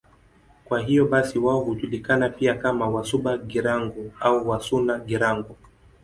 Kwa hiyo basi wao hujulikana pia kama Wasuba-Girango au Wasuna-Girango.